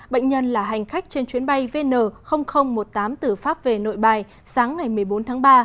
bệnh nhân là hành khách trên chuyến bay vn một mươi tám từ pháp về nội bài sáng ngày một mươi bốn tháng ba